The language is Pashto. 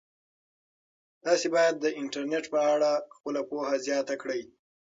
تاسي باید د انټرنيټ په اړه خپله پوهه زیاته کړئ.